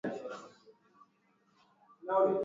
Ndama huweza kupata ugonjwa wa kuhara majira ya kipupwe